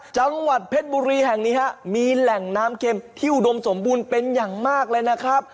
จังหวัดเพชรบุรีแห่งนี้ฮะมีแหล่งน้ำเข็มที่อุดมสมบูรณ์เป็นอย่างมากเลยนะครับ